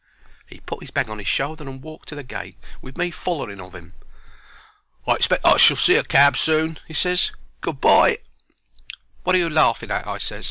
He put 'is bag on 'is shoulder and walked to the gate, with me follering of 'im. "I expect I shall see a cab soon," he ses. "Good bye." "Wot are you laughing at?" I ses.